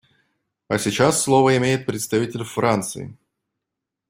А сейчас слово имеет представитель Франции.